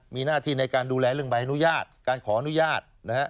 มีหน้าที่ในการดูแลเรื่องใบอนุญาตการขออนุญาตนะฮะ